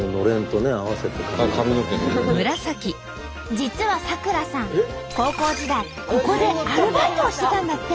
実は咲楽さん高校時代ここでアルバイトをしてたんだって！